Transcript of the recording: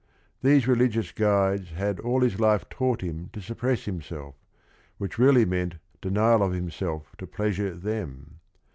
These religious guides had all his life taught him to suppress himself, which really meant denial of himself to pleasure them.